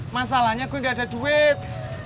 masalahnya gue gak ada duit